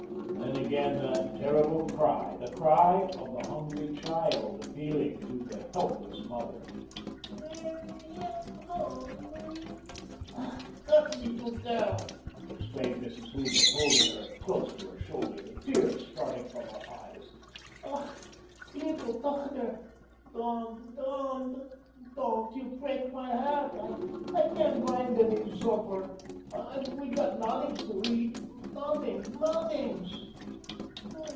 Then again that terrible cry, the cry of the hungry child appealing to the helpless mother: "Mammy, I'm hungry." "Ach, Gott, leedle girl," exclaimed Mrs. Hooven, holding her close to her shoulder, the tears starting from her eyes. "Ach, leedle tochter. Doand, doand, doand. You praik my hairt. I cen't vind any subber. We got noddings to eat, noddings, noddings."